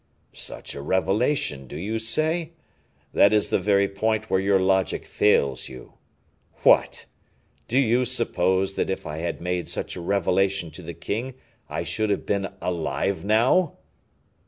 "Such a revelation, do you say? that is the very point where your logic fails you. What! do you suppose that if I had made such a revelation to the king, I should have been alive now?"